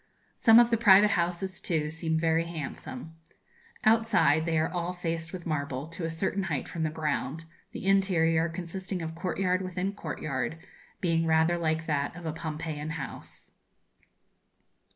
Some of the private houses, too, seem very handsome. Outside they are all faced with marble, to a certain height from the ground, the interior, consisting of courtyard within courtyard, being rather like that of a Pompeian house.